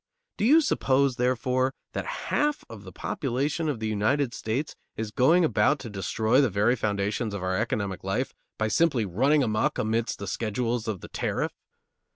Do you suppose, therefore, that half of the population of the United States is going about to destroy the very foundations of our economic life by simply running amuck amidst the schedules of the tariff?